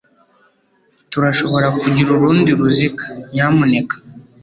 Turashobora kugira urundi ruziga, nyamuneka?